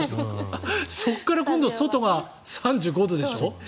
そこから今度、外が３５度でしょ。